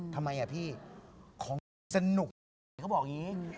ทำไมอ่ะพี่ของสนุกเขาบอกอย่างนี้